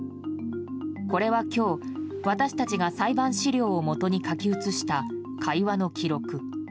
これは今日、私たちが裁判資料をもとに書き写した会話の記録。